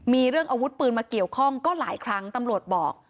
มีเรื่องอาวุธปืนมาเกี่ยวข้องก็หลายครั้งตำรวจบอก